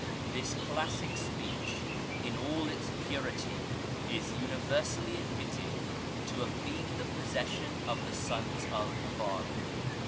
This classic speech in all its purity is universally admitted to have been the possession of the sons of Modar.